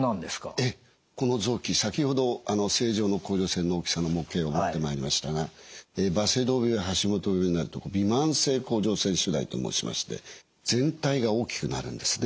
ええこの臓器先ほど正常の甲状腺の大きさの模型を持ってまいりましたがバセドウ病や橋本病になるとびまん性甲状腺腫大と申しまして全体が大きくなるんですね。